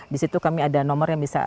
di situ kami ada nomor yang bisa